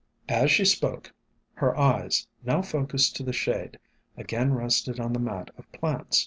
As she spoke, her eyes, now focused to the shade, again rested on the mat of plants.